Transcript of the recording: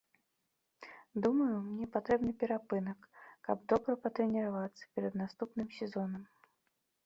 Думаю, мне патрэбны перапынак, каб добра патрэніравацца перад наступным сезонам.